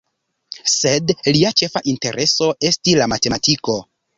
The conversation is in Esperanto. Sed lia ĉefa intereso esti la matematiko.